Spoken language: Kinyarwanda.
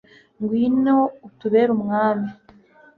ngwino utubere umwami